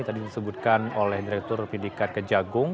tadi disebutkan oleh direktur pendidikan kejagung